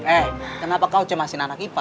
eh kenapa kau cemasin anak ipa